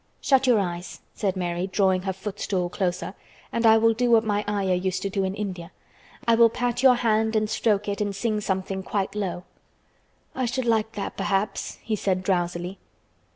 "Shut your eyes," said Mary, drawing her footstool closer, "and I will do what my Ayah used to do in India. I will pat your hand and stroke it and sing something quite low." "I should like that perhaps," he said drowsily.